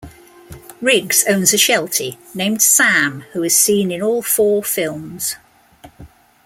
Riggs owns a Sheltie named Sam who is seen in all four films.